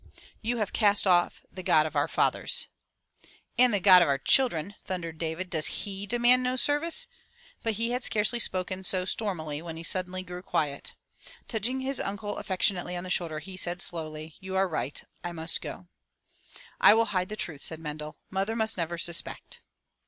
You have cast off the God of our Fathers/* "And the God of our children^ thundered David, "Does He demand no service?" But he had scarcely spoken so stormily when he grew suddenly quiet. Touching his uncle affectionately on the shoulder, he said slowly, "You are right, I must go/* "I will hide the truth, said Mendel. Mother must never suspect.